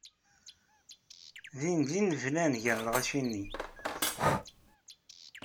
Dindin belɛen gar lɣaci-nni.